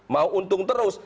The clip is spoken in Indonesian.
mau untung terus